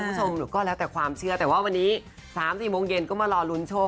คุณผู้ชมก็แล้วแต่ความเชื่อแต่ว่าวันนี้๓๔โมงเย็นก็มารอลุ้นโชค